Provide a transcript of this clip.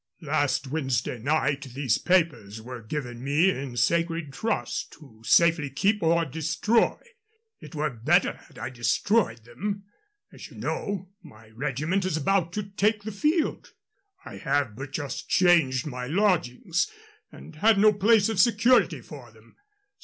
Last Wednesday night these papers were given me in sacred trust to safely keep or destroy. It were better had I destroyed them. As you know, my regiment is about to take the field. I have but just changed my lodgings, and had no place of security for them.